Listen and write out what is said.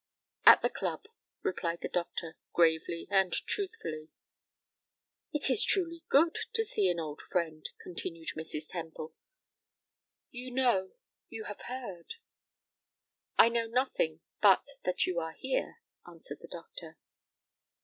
"At the club," replied the doctor, gravely and truthfully. "It is truly good to see an old friend," continued Mrs. Temple. "You know you have heard." "I know nothing but that you are here," answered the doctor.